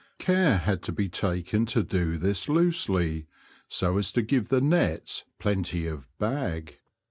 Care had to be taken to do this loosely, so as to give the nets plenty of '' bag."